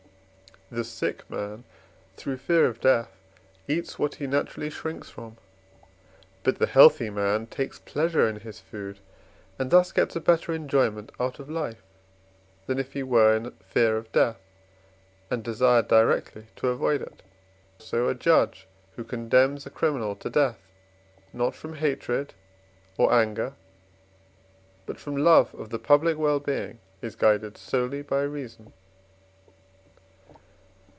The sick man through fear of death eats what he naturally shrinks from, but the healthy man takes pleasure in his food, and thus gets a better enjoyment out of life, than if he were in fear of death, and desired directly to avoid it. So a judge, who condemns a criminal to death, not from hatred or anger but from love of the public well being, is guided solely by reason.